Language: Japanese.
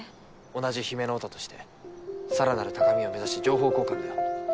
同じ姫乃ヲタとしてさらなる高みを目指して情報交換だよ